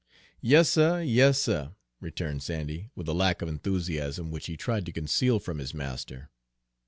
"Yas, suh, yas, suh," returned Sandy, with a lack of enthusiasm which he tried to conceal from his master.